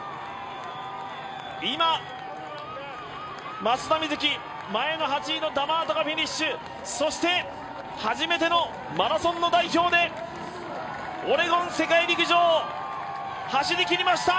今、松田瑞生前の８位のダマートがフィニッシュそして初めてのマラソンの代表でオレゴン世界陸上走りきりました。